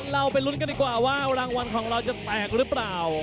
เราไปลุ้นกันดีกว่าว่ารางวัลของเราจะแตกหรือเปล่า